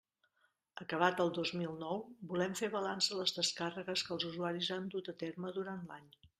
Acabat el dos mil nou, volem fer balanç de les descàrregues que els usuaris han dut a terme durant l'any.